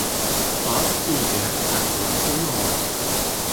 Ас өйҙә ҡатыҡ ойомаҫ.